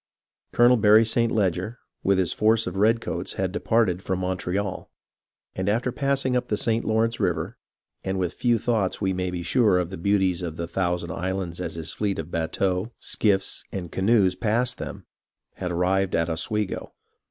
Colonel Barry St. Leger with his force of redcoats had departed from Montreal, and after passing up the St. Lawrence River, and with few thoughts we may be sure of the beauties of the Thousand Islands as his fleet of bateaux, skiffs, and canoes passed them, had arrived at Oswego.